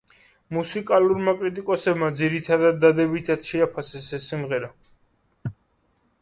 მუსიკალურმა კრიტიკოსებმა ძირითადად დადებითად შეაფასეს ეს სიმღერა.